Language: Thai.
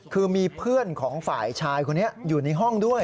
คือมีเพื่อนของฝ่ายชายคนนี้อยู่ในห้องด้วย